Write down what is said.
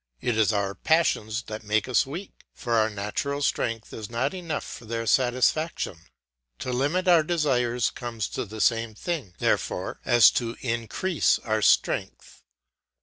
It is our passions that make us weak, for our natural strength is not enough for their satisfaction. To limit our desires comes to the same thing, therefore, as to increase our strength.